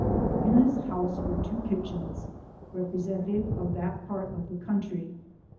In this house were two kitchens, representative of that part of the country.